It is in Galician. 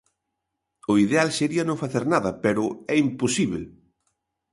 O ideal sería non facer nada, pero é imposíbel.